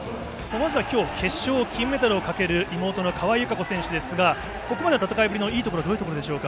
まずはきょう決勝の金メダルをかける妹の川井友香子選手ですが、ここまでの戦いぶりでいいところはどこでしょうか？